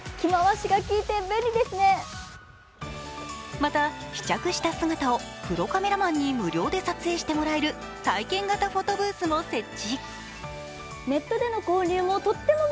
また試着した姿をプロカメラマンに無料で撮影してもらえる体験型フォトブースも設置。